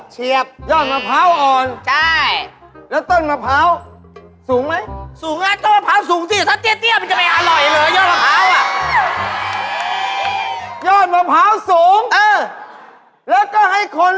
กินหน้าปัก